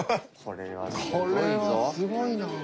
これはすごいぞ。